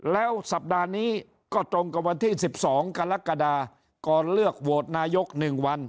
แล้วสัปดาห์นี้ก็ตรงกับวันที่๑๒กรกฎาก่อนเลือกโหวตนายก๑วัน